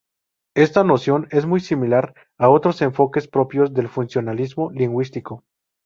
Esta noción es muy similar a otros enfoques propios del funcionalismo lingüístico.